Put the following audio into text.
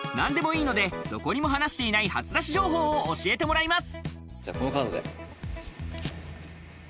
何でもいいので、どこにも話していない初出し情報を教えてもらいます。